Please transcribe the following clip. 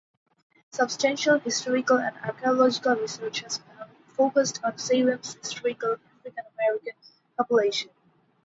Substantial historical and archaeological research has focused on Salem's historical African-American population.